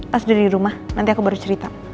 pas udah di rumah nanti aku baru cerita